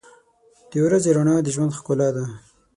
• د ورځې رڼا د ژوند ښکلا ده.